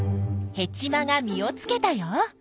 ヘチマが実をつけたよ。